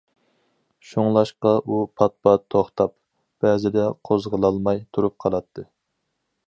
شۇڭلاشقا ئۇ پات- پات توختاپ، بەزىدە قوزغىلالماي تۇرۇپ قالاتتى.